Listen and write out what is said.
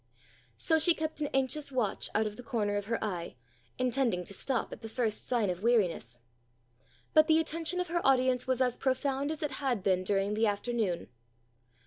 So she kept an anxious watch out of the corner of her eye, intending to stop at the first sign of weariness. But the attention of her audience was as profound as it had been during the afternoon.